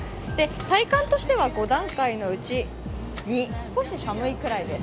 体感としては、５段階のうち２「少しさむい」くらいです。